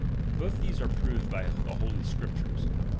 Both these are proved by the Holy Scriptures.